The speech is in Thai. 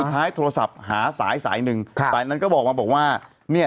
สุดท้ายโทรศัพท์หาสายหนึ่งในนั้นเขาบอกมานี่